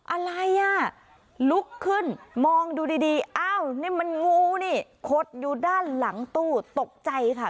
อะไรอ่ะลุกขึ้นมองดูดีอ้าวนี่มันงูนี่ขดอยู่ด้านหลังตู้ตกใจค่ะ